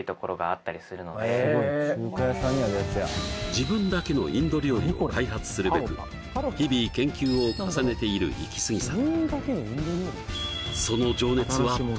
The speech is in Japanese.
自分だけのインド料理を開発するべく日々研究を重ねているイキスギさん